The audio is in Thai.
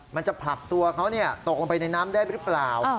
มันจะผลักตัวเขาตกลงไปในน้ำได้หรือเปล่า